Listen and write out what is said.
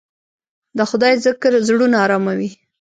د خدای ذکر زړونه اراموي.